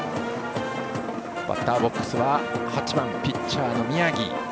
バッターボックスは８番、ピッチャーの宮城。